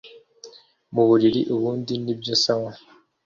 muburiri ubundi nibyo sawa